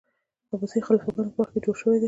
عباسي خلیفه ګانو په وخت کي جوړ سوی دی.